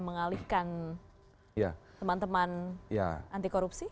mengalihkan teman teman anti korupsi